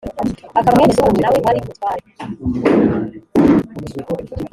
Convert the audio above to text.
akaba mwene suru na we wari umutware.